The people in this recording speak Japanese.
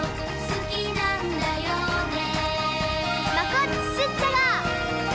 「好きなんだよね？」